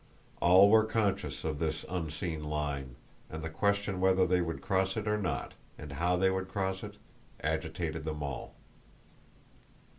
All were conscious of this unseen line, and the question whether they would cross it or not, and how they would cross it, agitated them all.